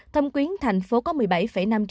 thâm quyến tp hcm